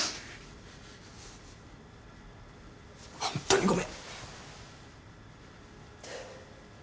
ホントにごめん。